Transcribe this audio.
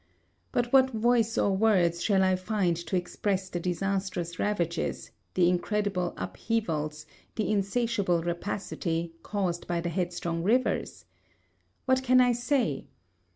But what voice or words shall I find to express the disastrous ravages, the incredible upheavals, the insatiable rapacity, caused by the headstrong rivers? What can I say?